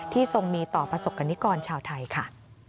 ทรงมีต่อประสบกรณิกรชาวไทยค่ะ